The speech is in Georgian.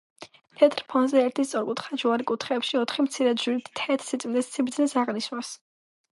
თეთრ ფონზე ერთი სწორკუთხა ჯვარი კუთხეებში ოთხი მცირე ჯვრით თეთრ სიწმინდეს სიბრძნეს აღნიშვნას